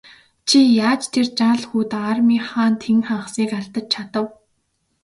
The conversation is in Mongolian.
Чи яаж тэр жаал хүүд армийнхаа тэн хагасыг алдаж чадав?